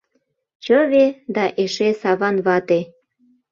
Чыве да эше Саван вате...